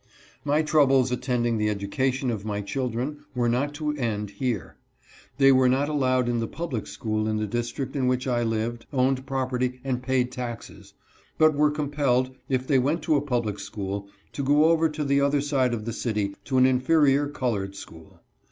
My troubles attending the education of my children ere not to end here. They were not allowed in the public school in the district in which I lived, owned prop erty, and paid taxes, but were compelled, if they went to a public school, to go over to the other side of the city to an inferior colored school.